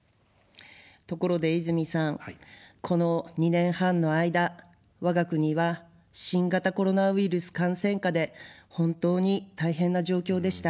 ところで泉さん、この２年半の間、我が国は新型コロナウイルス感染禍で本当に大変な状況でした。